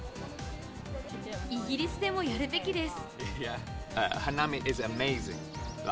イギリスでもやるべきです。